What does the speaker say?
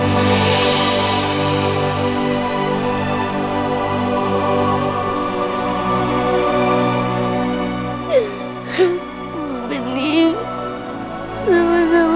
them pasti saya badan